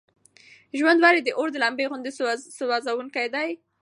ژوند ولې د اور د لمبې غوندې سوزونکی دی؟